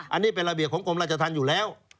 อันนี้เป็นระเบียบของกรมราชธรรมอยู่แล้ว